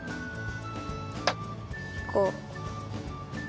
こう。